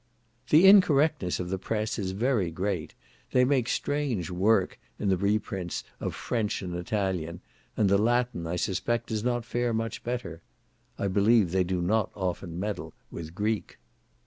The incorrectness of the press is very great; they make strange work in the reprints of French and Italian; and the Latin, I suspect, does not fare much better: I believe they do not often meddle with Greek.